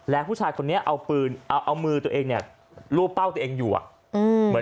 และผู้ชายคนนี้เอามือตัวเองรูปเป้าตัวเองอยู่